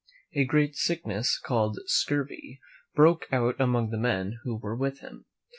A great sickness called scurvy broke out among the men who were with him.